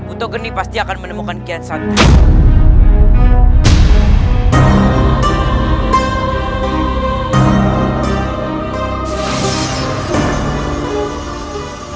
uto geni pasti akan menemukan kian santang